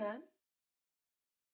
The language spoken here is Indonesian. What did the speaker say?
mas aku mau ke kamar